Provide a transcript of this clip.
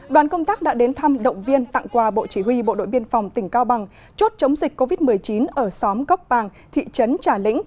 đoàn công tác đã đến thăm động viên tặng quà bộ chỉ huy bộ đội biên phòng tỉnh cao bằng chốt chống dịch covid một mươi chín ở xóm góc bàng thị trấn trà lĩnh